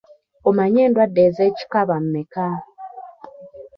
Omanyi endwadde ez'ekikaba mmeka?